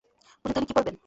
পুজোতে উনি কি পরবেন?